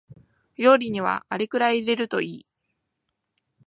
料理にはあれくらい入れるといい